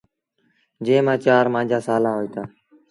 جݩهݩ مآݩ چآر مآݩجآ سآلآ هوئيٚتآ۔